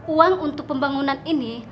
uang untuk pembangunan ini